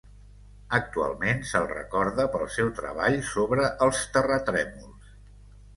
Actualment se'l recorda pel seu treball sobre els terratrèmols.